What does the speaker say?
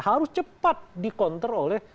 harus cepat dikontrol oleh